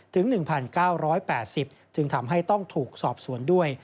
ถึงทำให้ต้องถูกสอบสวนด้วย